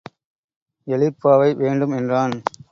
எழிற்பாவை வேண்டும் என்றான்.